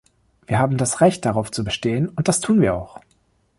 Wir haben das Recht, darauf zu bestehen, und das tun wir auch.